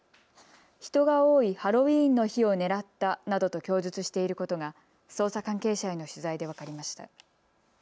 人が多いハロウィーンの日を狙ったなどと供述していることが捜査関係者への取材で分かりました。